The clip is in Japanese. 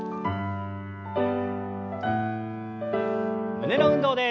胸の運動です。